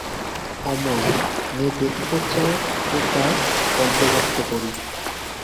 অমল, মেয়ে দেখতে চাও তো তার বন্দোবস্ত করি।